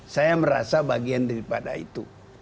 saya merasa bagian daripada itu